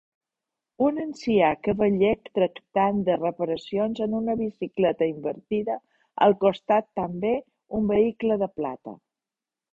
Un ancià cavaller tractant de reparacions en una bicicleta invertida al costat també un vehicle de plata.